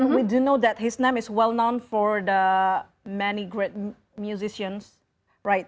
dan kita tahu bahwa namanya terkenal untuk banyak musisi yang hebat